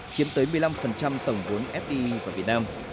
chiếm tới một mươi năm tổng vốn fta